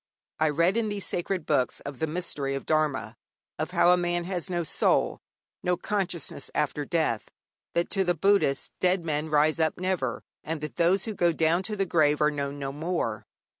I read in these sacred books of the mystery of Dharma, of how a man has no soul, no consciousness after death; that to the Buddhist 'dead men rise up never,' and that those who go down to the grave are known no more.